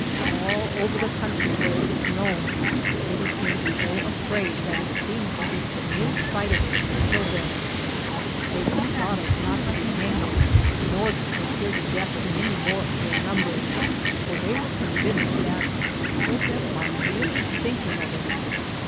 All over the country, where it was known, they became so afraid that it seemed as if the mere sight of us would kill them. They besought us not to be angry nor to procure the death of any more of their number, for they were convinced that we killed them 147 THE JOURNEY OF by merely thinking of it.